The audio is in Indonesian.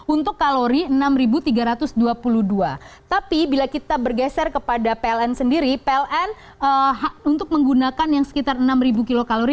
untuk kalori enam tiga ratus dua puluh dua tapi bila kita bergeser kepada pln sendiri pln untuk menggunakan yang sekitar enam kilokalori